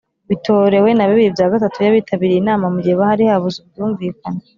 bitorewe na bibiri bya gatatu y’abitabiriye inama mu gihe habuze ubwumvine.